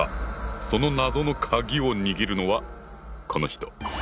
その謎のカギを握るのはこの人！